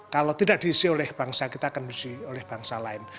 kalau tidak diisi oleh bangsa kita akan diisi oleh bangsa lain